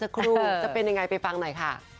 คืออย่างไร